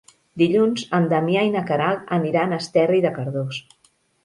Dilluns en Damià i na Queralt aniran a Esterri de Cardós.